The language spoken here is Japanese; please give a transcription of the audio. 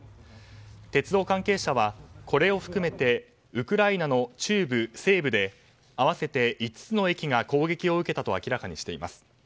鉄道関係者はこれを含めてウクライナの中部、西部で合わせて、５つの駅が攻撃を受けたと明らかにしています。